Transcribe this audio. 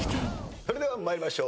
それでは参りましょう。